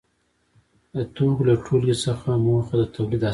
د توکو له ټولګې څخه موخه د تولید اسباب دي.